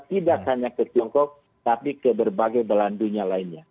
tidak hanya ke tiongkok tapi ke berbagai belandunya lainnya